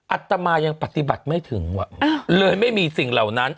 อัตมายังปฏิบัติไม่ถึงว่ะเลยไม่มีสิ่งเหล่านั้น